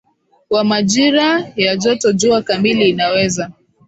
wa majira ya joto jua kamili inaweza